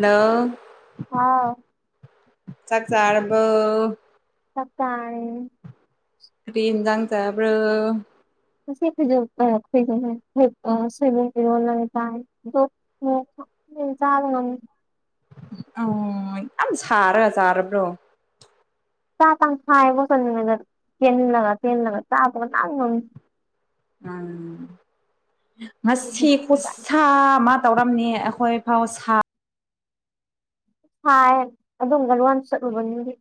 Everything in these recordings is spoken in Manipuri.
ꯍꯂꯣ ꯍꯥꯎ ꯆꯥꯛ ꯆꯔꯔꯕ ꯁꯀ ꯀꯔꯤꯟꯖꯥꯡ ꯆꯕ꯭ꯔ ꯁꯤꯈꯣꯏ ꯁ꯭ꯤ ꯄ ꯔꯣꯜ ꯂꯩꯇꯥ ꯆꯥ ꯉ ꯎꯝ ꯌꯥꯝ ꯁꯥꯔꯒ ꯆꯥꯔꯕ꯭ꯔꯣ ꯆꯥ ꯇꯥꯡ ꯊꯥꯏꯕꯣꯠ ꯆꯠꯉꯗ ꯆꯦꯟꯂꯒ ꯇꯦꯜꯂꯒ ꯆꯥꯕꯒ ꯇꯥꯡ ꯉ ꯎꯝ ꯃꯥ ꯃꯥ ꯇꯧꯔꯝꯅꯤ ꯑꯩꯈꯣꯏ ꯐꯥꯎ ꯍꯥꯏ ꯑꯗꯨꯝꯒ ꯂ ꯋꯥ ꯆꯠꯂꯨꯕꯅꯤꯗꯤ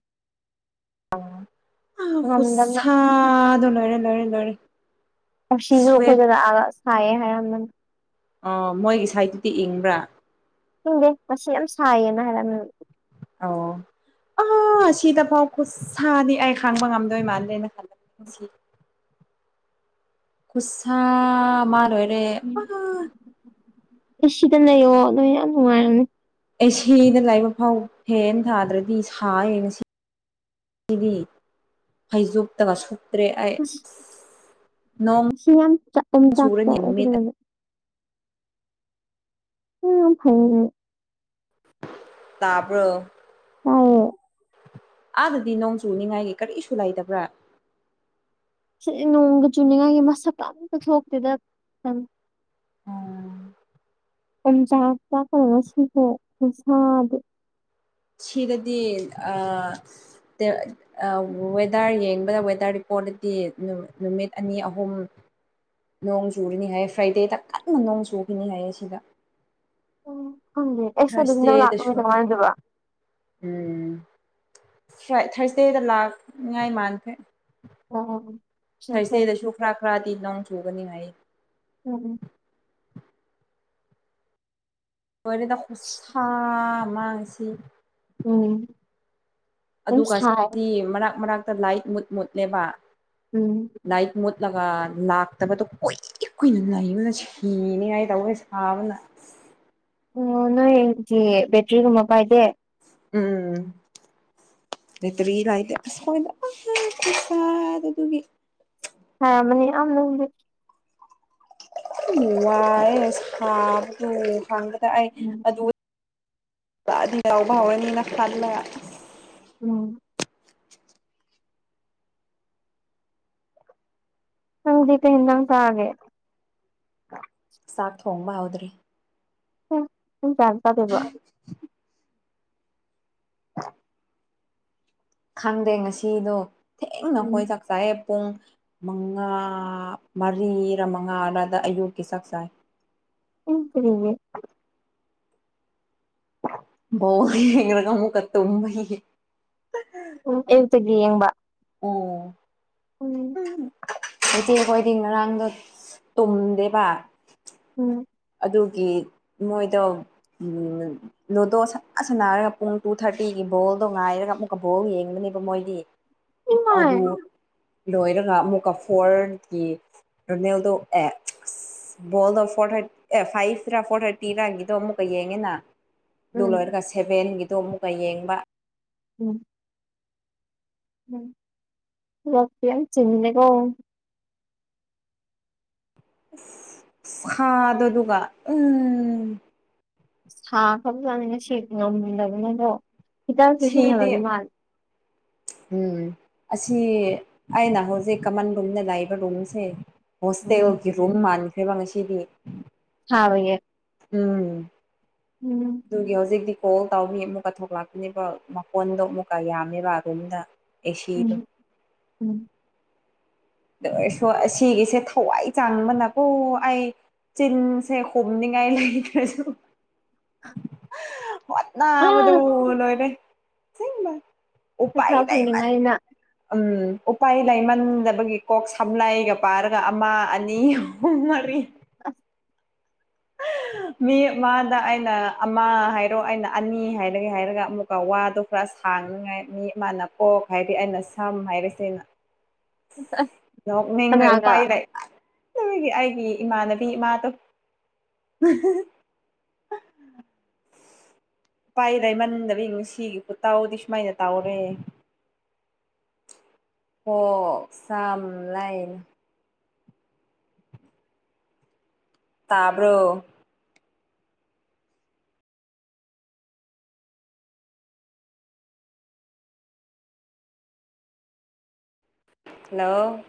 ꯉꯝꯗꯅ ꯍꯁꯗ ꯂꯣꯏꯔꯦ ꯂꯣꯏꯔꯦ ꯂꯣꯏꯔꯦ ꯁꯤꯁꯨ ꯁ꯭ꯋꯦꯠ ꯑꯩꯈꯣꯏꯗ ꯂꯥꯛꯑꯒ ꯁꯥꯏꯌꯦ ꯍꯥꯏꯔꯝꯗ ꯑꯣ ꯃꯣꯏꯒꯤ ꯁꯥꯏꯠꯇꯨꯗꯤ ꯏꯪꯕ꯭ꯔꯥ ꯏꯤꯡꯗꯦ ꯃꯁꯤ ꯌꯥꯝ ꯁꯥꯏꯌꯦꯅ ꯍꯥꯏꯔꯝꯃꯤ ꯑꯣ ꯑꯥ ꯁꯤꯗ ꯐꯥꯎ ꯈꯨꯠꯁꯥꯗꯤ ꯑꯩ ꯈꯥꯡꯕ ꯉꯝꯗꯣꯏ ꯃꯥꯜꯂꯦꯅ ꯈꯜꯂ [unintelligible] ꯈꯨꯨꯁ ꯁꯥꯥ ꯃꯥꯔꯣꯏꯔꯦ ꯑ ꯁꯤꯗ ꯂꯩꯌꯛꯑꯣ ꯑꯗꯣ ꯌꯥꯝ ꯅꯨꯡꯉꯥꯏꯔꯅꯤ ꯑꯩ ꯁꯤꯗ ꯂꯥꯏꯕ ꯐꯥꯎ ꯐꯦꯟ ꯊꯥꯗ꯭ꯔꯗꯤ ꯁꯥꯌꯦ ꯉꯁꯤ ꯁꯤꯗꯤ ꯐꯩꯖꯣꯇꯒꯁꯨ ꯇ꯭ꯔꯦ ꯑꯩ ꯑꯁ ꯅꯣꯡ ꯉꯁꯤ ꯌꯥꯝ ꯑꯣꯝꯆꯥꯛ ꯁꯨꯔꯅꯤ ꯆꯥꯛꯑꯦ ꯅꯨꯃꯤꯠ ꯐꯖꯅ ꯎ ꯐꯥꯎ ꯇꯥꯕ꯭ꯔꯣ ꯇꯥꯏꯌꯦ ꯑꯥꯗꯗꯤ ꯅꯣꯡ ꯆꯨꯅꯤꯡꯉꯥꯏꯒꯤ ꯀꯔꯤꯁꯨ ꯂꯩꯇꯕ꯭ꯔꯥ ꯁꯤ ꯅꯣꯡꯒ ꯆꯨꯅꯤꯡꯉꯥꯏꯒꯤ ꯃꯁꯛꯄ ꯑꯝꯇ ꯊꯣꯛꯇꯦꯗ ꯀꯣꯡ ꯆꯥꯛ ꯆꯥꯛ ꯀ ꯁꯤꯈꯣ ꯎꯅꯨꯡꯁꯥꯗ ꯁꯤꯗꯗꯤ ꯋꯦꯗꯔ ꯌꯦꯡꯕꯗ ꯋꯦꯗꯔ ꯔꯤꯄꯣꯔꯠꯗꯤ ꯅꯨꯃꯤꯠ ꯑꯅꯤ ꯑꯍꯨꯝ ꯅꯣꯡ ꯆꯨꯔꯤꯅꯤ ꯍꯥꯏꯌꯦ ꯐ꯭ꯔꯥꯏꯗꯦꯗ ꯀꯟꯅ ꯅꯣꯡ ꯆꯨꯈꯤꯅꯤ ꯍꯥꯏꯌꯦ ꯁꯤꯗ ꯎꯦ ꯑꯦꯁ ꯑꯗꯨꯒꯤ ꯅ ꯂꯥꯛꯄꯃꯤ ꯊꯥꯔꯁꯗꯦꯗꯁꯨ ꯇꯧꯉꯥꯏꯗꯨꯕ ꯎꯝ ꯐ꯭ꯔ‌ꯣꯏꯠ ꯊ꯭ꯔꯁꯇ‌ꯦꯗ ꯂꯥꯛꯅꯤꯡꯉꯥꯏ ꯃꯥꯟꯈ꯭ꯔ‌ꯦ [unintelligible] ꯊꯔꯁꯗꯦꯗꯁꯨ ꯈꯔ ꯈꯔꯗꯤ ꯂꯪ ꯆꯨꯒꯅꯤꯉꯥꯏ ꯎꯝꯝ ꯣꯏꯔꯤꯗ ꯈꯨꯣꯠꯁ ꯃꯥꯡꯁꯤ ꯎꯝ ꯑꯗꯨꯝ ꯑꯗꯨꯒ ꯁꯥꯏ ꯁꯤ ꯃꯔꯛ ꯃꯔꯛꯇ ꯂꯥꯏꯠ ꯃꯨꯠ ꯃꯨꯠꯅꯦꯕ ꯎꯝ ꯂꯛ ꯃꯣꯠꯂ ꯂꯅꯥꯥꯛꯇꯕꯇ ꯀꯣꯏ ꯏꯀꯨꯏꯅ ꯂꯩꯕꯅ ꯁꯤꯅꯤꯡꯉꯥꯏ ꯇꯧꯕ ꯁꯥꯕꯅ ꯑꯣ ꯅꯣꯏꯗꯤ ꯕꯦꯇ꯭ꯔꯤꯒꯨꯝꯕ ꯄꯥꯏꯗꯦ ꯎꯝ ꯅ ꯇꯔꯤ ꯂꯥꯏꯇꯦ ꯑꯁꯁꯥ ꯑꯗꯨꯒꯤ ꯍ ꯃꯅꯤ ꯑꯅ ꯎ ꯋꯥꯏꯕ ꯈꯪꯕꯗ ꯑꯩ ꯎꯝ ꯑꯗꯨ ꯑꯗꯨ ꯌꯥꯎꯕ ꯍꯥꯎꯋ ꯉ ꯇꯜꯂ ꯎꯝ ꯅꯪ ꯗꯤꯄꯤꯤꯟ ꯎ ꯇꯑꯒꯦ ꯁꯥꯥꯛ ꯊꯣꯡꯕ ꯍꯥꯎꯗ꯭ꯔꯤ [unintelligible] [unintelligible] ꯈꯪꯗꯦ ꯉꯁꯤꯗꯣ ꯊꯦꯡꯅ ꯎꯝ ꯈꯣꯏꯗ ꯆꯥꯏꯌꯦ ꯄꯨꯡ ꯃꯉꯥ ꯃꯔꯤꯔ ꯃꯉꯥꯔꯗ ꯑꯌꯨꯛꯀꯤ ꯆꯥꯛ ꯆꯥꯏ ꯑꯦ ꯀꯔꯤꯒꯤ ꯕꯣꯜ ꯉꯦꯡꯂꯒ ꯇꯨꯝꯕꯒꯤ ꯎꯝ ꯑꯌꯨꯛꯇꯒꯤ ꯌꯦꯡꯕ ꯑꯣ ꯎꯝ ꯎ ꯏꯆꯦ ꯑꯩꯈꯣꯏꯗꯤ ꯉꯔꯥꯡꯗꯣ ꯇꯨꯝꯗꯦꯕ ꯎꯝ ꯑꯗꯨꯒꯤ ꯃꯣꯏꯗꯣ ꯂꯨꯗꯣ ꯁꯠꯅ ꯁꯅꯔꯒ ꯄꯨꯡ ꯇꯨ ꯊꯥꯔꯇꯤꯒꯤ ꯕꯣꯜꯗꯣ ꯉꯥꯏꯔꯒ ꯑꯃꯨꯛꯀ ꯕꯣꯜ ꯌꯦꯡꯕꯅꯦꯕ ꯃꯣꯏꯗꯤ ꯏꯃꯥꯏ ꯑꯗꯨ ꯂꯣꯏꯔꯒ ꯑꯃꯨꯛꯀꯐꯣꯔꯒꯤ ꯔꯣꯅꯦꯜꯗꯣ ꯑꯦꯛꯁ ꯕꯣꯜ ꯗꯣ ꯐꯣꯔ ꯍꯥꯏ ꯑꯦ ꯐꯥꯏꯚꯔꯥ ꯐꯣꯔ ꯌꯦꯡꯉꯦꯅ ꯑꯗꯨ ꯎꯝ ꯂꯣꯏꯔ ꯅꯤ ꯁꯦꯚꯦꯟꯒꯤꯗꯣ ꯑꯃꯨꯛꯀ ꯌꯦꯡꯕ ꯎꯝ ꯎꯝ ꯌꯥꯝ ꯆꯤꯜꯂꯦꯀꯣ ꯁꯥꯥꯗꯗꯨꯒ ꯎꯝ ꯁꯥ ꯈꯔꯥꯕ ꯖꯥꯅꯤ ꯉꯁꯤ ꯉꯝꯗꯕꯅꯤꯕꯣ ꯈꯤꯇꯪꯁꯨ ꯁꯤꯗꯤ ꯁꯤꯟꯅꯕꯒꯤ ꯃꯥꯜ ꯎꯝ ꯑꯁꯤ ꯑꯩꯅ ꯍꯧꯖꯤꯛ ꯀꯃꯟ ꯔꯨꯝꯗ ꯂꯥꯛꯏꯕ ꯔꯨꯝꯁꯦ ꯎꯝ ꯍꯣꯁꯇꯦꯜꯒꯤ ꯔꯨꯝ ꯃꯥꯟꯈ꯭ꯔꯦꯕ ꯉꯁꯤꯗꯤ ꯍꯥꯥꯎꯕꯩꯌꯦ ꯎꯝ ꯎꯝ ꯑꯗꯨꯒꯤ ꯍꯧꯖꯤꯛꯇꯤ ꯀꯣꯜ ꯇꯧꯏ ꯑꯃꯨꯛꯀ ꯊꯣꯛꯂꯛꯄꯅꯦꯕ ꯃꯀꯣꯟꯗꯣ ꯑꯃꯨꯛꯀ ꯌꯥꯝꯃꯦꯕ ꯑꯗꯣꯝꯗ ꯎꯝ ꯎꯝ ꯑꯗꯨ ꯑꯣꯏꯔꯁꯨ ꯑꯁꯤꯒꯤꯁꯦ ꯊꯋꯥꯏ ꯆꯥꯡꯕꯅꯀꯣ ꯑꯩ ꯆꯤꯟꯁꯦ ꯍꯨꯝꯅꯤꯡꯉꯥꯏ ꯂꯩꯇ꯭ꯔꯁꯨ [unintelligible] ꯋꯥꯅꯥꯕꯗꯨ ꯑꯥ ꯂꯣꯏꯔꯦ ꯄꯩꯁꯥ ꯎꯄꯥꯏ ꯂꯩꯥꯏꯃꯟ ꯐꯪꯅꯤꯡꯉꯥꯏꯅ ꯎꯝ ꯎꯄꯥꯏ ꯂꯩꯥꯏꯃꯟꯕꯒꯤ ꯀꯣꯛ ꯁꯝ ꯂꯥꯏꯒ ꯄꯥꯔꯒ ꯑꯃ ꯑꯅꯤ ꯑꯍꯨꯝ ꯃꯔꯤ ꯑꯁ ꯃꯤ ꯑꯃꯗ ꯑꯩꯅ ꯑꯃ ꯍꯥꯏꯔꯣ ꯑꯩꯅ ꯑꯅꯤ ꯍꯥꯏꯔꯒꯦ ꯍꯥꯏꯔꯒ ꯑꯃꯨꯛ ꯋꯥꯗꯣ ꯄꯨꯔ ꯁꯥꯡꯅꯤꯉꯥꯏ ꯃꯤ ꯑꯃꯅ ꯀꯣꯛ ꯍꯥꯏꯗꯤ ꯑꯩꯅ ꯁꯝ ꯍꯥꯏꯔꯤꯁ ꯑꯩꯅ ꯑꯁ ꯅ ꯃꯤꯡꯅ ꯀꯅꯥꯒ ꯎꯄꯥꯏꯗ ꯅꯒꯤ ꯑꯩꯒꯤ ꯏꯃꯥꯟꯅꯕꯤ ꯏꯃꯥꯗꯣ [unintelligible] ꯎꯄꯥꯏ ꯂꯩꯏꯃꯟꯗꯕꯅꯨꯡꯁꯤꯒꯤ ꯈꯨꯠꯇꯥꯎꯗꯤ ꯁꯨꯃꯥꯏꯅ ꯇꯧꯔꯦ ꯀꯣꯛ ꯁꯝ ꯂꯩꯥꯏꯅ ꯇꯥꯕ꯭ꯔꯣ ꯍꯜꯂꯣ